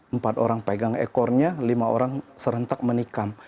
empat orang pegang ekornya lima orang serentak menikam